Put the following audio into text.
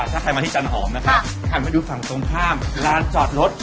ถ้าใครมาที่จันหอมนะครับหันไปดูฝั่งตรงข้ามร้านจอดรถ